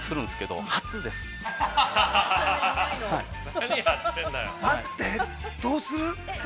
どうする？